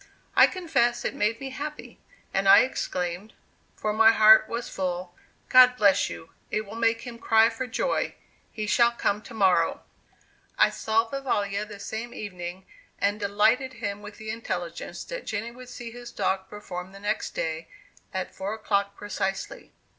I confess it made me happy, and I exclaimed, for my heart was full, "God bless you, it will make him cry for joy; he shall come to morrow." I saw Vivalla the same evening, and delighted him with the intelligence that Jenny would see his dog perform the next day, at four o'clock precisely.